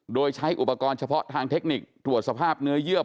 โดยใช้อุปกรณ์เฉพาะทางเทคนิคตรวจสภาพเนื้อเยื่อ